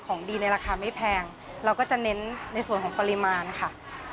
ของดีในราคาไม่แพงเราก็จะเน้นในส่วนของปริมาณค่ะ